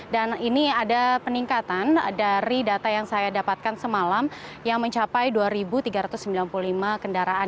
dan ini ada peningkatan dari data yang saya dapatkan semalam yang mencapai dua tiga ratus sembilan puluh lima kendaraan